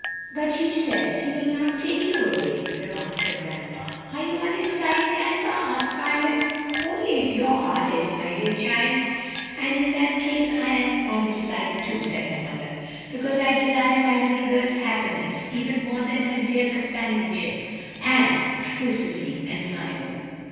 "But he says he will not take you away," remarked her grandpa. "Are you on his side, grandpa?" asked Violet. "Only if your heart is, my dear child." "And in that case I am on his side too," said her mother, "because I desire my little girl's happiness even more than her dear companionship as exclusively my own."